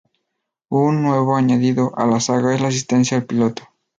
Un nuevo añadido a la saga es la Asistencia al piloto.